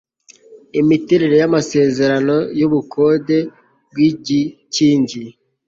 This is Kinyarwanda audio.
imiterere y amasezerano y ubukode bw igikingi